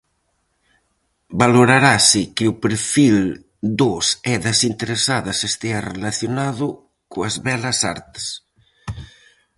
Valorarase que o perfil dos e das interesadas estea relacionado coas Belas Artes.